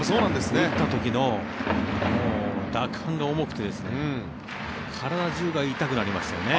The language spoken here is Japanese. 打った時の打感が重くて体中が痛くなりましたよね。